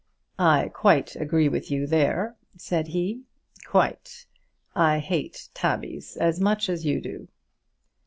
"I quite agree with you there," said he; "quite. I hate tabbies as much as you do."